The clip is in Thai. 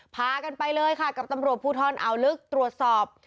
พากันไปเลยค่ะกับตำรวจภูทรอ่าวลึกตรวจสอบ